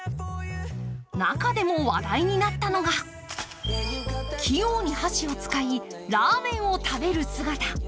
中でも話題になったのが器用に箸を使い、ラーメンを食べる姿。